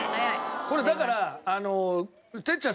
これだから哲ちゃん